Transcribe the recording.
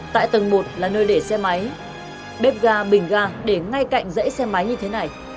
tại tầng một là nơi để xe máy bếp ga bình ga để ngay cạnh dãy xe máy như thế này